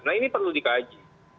nah ini perlu dikaji